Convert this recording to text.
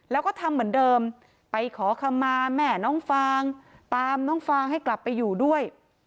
แล้วก็ทำเหมือนเดิมไปขอคำมาแม่น้องฟางตามน้องฟางให้กลับไปอยู่ด้วย